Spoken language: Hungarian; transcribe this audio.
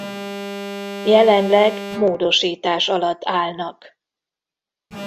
Jelenleg módosítás alatt állnak.